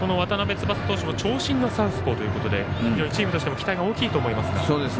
翼投手の長身のサウスポーということでチームとしても期待は大きいと思いますが。